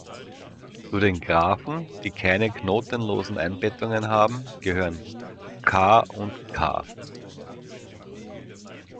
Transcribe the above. Zu den Graphen, die keine knotenlosen Einbettungen haben, gehören „K“ und „K“.